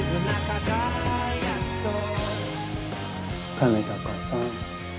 亀高さん